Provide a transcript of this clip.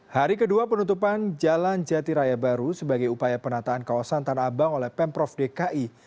hari kedua penutupan jalan jati raya baru sebagai upaya penataan kawasan tanah abang oleh pemprov dki